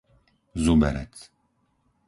Zuberec